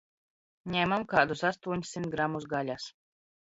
Ņemam kādus astoņsimt gramus gaļas.